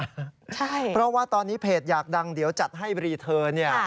ใช่เพราะว่าตอนนี้เพจอยากดังเดี๋ยวจัดให้รีเทิร์นเนี่ย